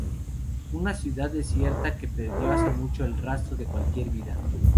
Una ciudad desierta que perdió hace mucho el rastro de cualquier vida.